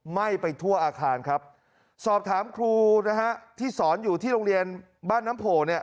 ไหม้ไปทั่วอาคารครับสอบถามครูนะฮะที่สอนอยู่ที่โรงเรียนบ้านน้ำโผล่เนี่ย